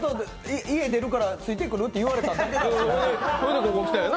家出るからついてくる？って言われただけ。